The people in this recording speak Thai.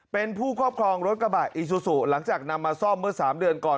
เป็นผู้ครอบครองรถกระบะอีซูซูหลังจากนำมาซ่อมเมื่อ๓เดือนก่อน